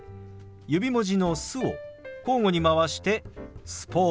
指文字の「す」を交互に回して「スポーツ」。